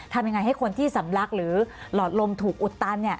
ทำยังไงให้คนที่สำลักหรือหลอดลมถูกอุดตัน